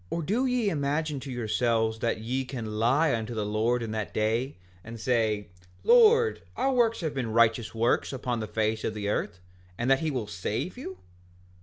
5:17 Or do ye imagine to yourselves that ye can lie unto the Lord in that day, and say—Lord, our works have been righteous works upon the face of the earth—and that he will save you?